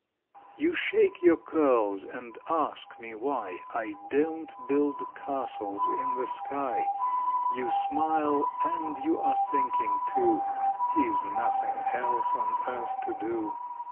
You shake your curls, and ask me why I don't build castles in the sky; You smile, and you are thinking too, He's nothing else on earth to do.